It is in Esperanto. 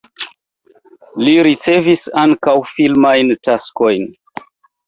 Li ricevis ankaŭ filmajn taskojn.